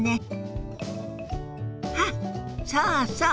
あっそうそう。